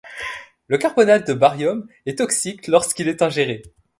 Le carbonate de baryum est toxique lorsqu'il est ingéré.